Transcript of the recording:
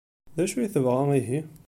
D acu ay tebɣa ihi?